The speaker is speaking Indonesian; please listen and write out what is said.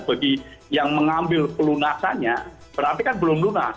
bagi yang mengambil pelunasannya berarti kan belum lunas